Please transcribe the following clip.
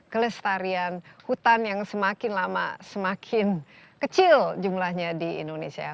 kelestarian hutan yang semakin lama semakin kecil jumlahnya di indonesia